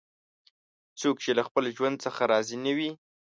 څوک چې له خپل ژوند څخه راضي نه وي